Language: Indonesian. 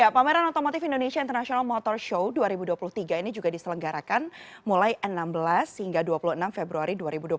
pameran otomotif indonesia international motor show dua ribu dua puluh tiga ini juga diselenggarakan mulai enam belas hingga dua puluh enam februari dua ribu dua puluh tiga